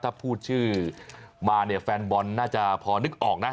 ถ้าพูดชื่อมาเนี่ยแฟนบอลน่าจะพอนึกออกนะ